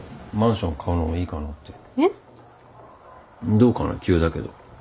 どうかな急だけど。